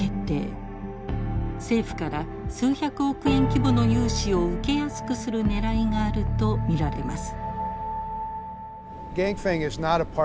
政府から数百億円規模の融資を受けやすくするねらいがあると見られます。